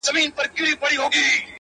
ځوان پر لمانځه ولاړ دی.